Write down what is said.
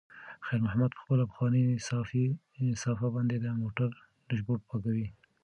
خیر محمد په خپله پخوانۍ صافه باندې د موټر ډشبورډ پاکوي.